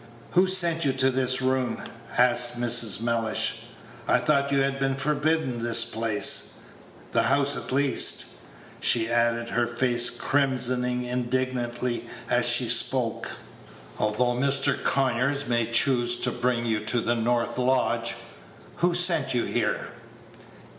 "Who sent you to this room?" asked Mrs. Mellish; "I thought you had been forbidden this place the house at least," she added, her face crimsoning indignantly as she spoke, "although Mr. Conyers may choose to bring you to the north lodge. Who sent you here?"